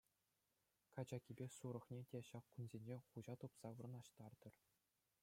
Качакипе сурӑхне те ҫак кунсенчех хуҫа тупса вырнаҫтартӑр.